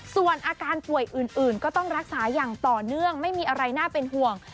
ส่วนอาการป่วยอื่นก็ต้องรักษาอย่างต่อเนื่องไม่มีอะไรน่าเป็นห่วง